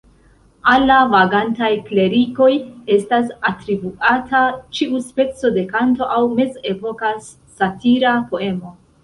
Al la "vagantaj klerikoj" estas atribuata ĉiu speco de kanto aŭ mezepoka satira poemo.